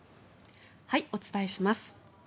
お伝えします。